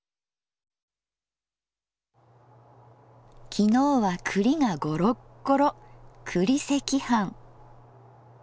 昨日は栗がゴロッゴロ栗赤飯。